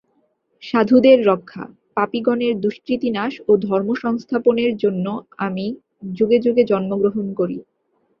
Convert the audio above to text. সাধুদের রক্ষা, পাপিগণের দুষ্কৃতিনাশ ও ধর্মসংস্থাপনের জন্য আমি যুগে যুগে জন্মগ্রহণ করি।